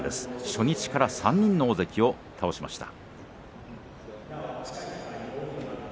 初日から３人の大関を倒しました。